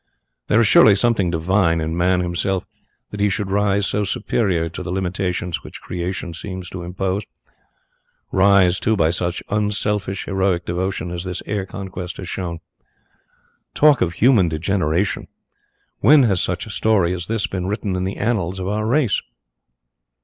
There is surely something divine in man himself that he should rise so superior to the limitations which Creation seemed to impose rise, too, by such unselfish, heroic devotion as this air conquest has shown. Talk of human degeneration! When has such a story as this been written in the annals of our race?